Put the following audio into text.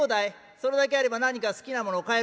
それだけあれば何か好きなもの買えるだろ？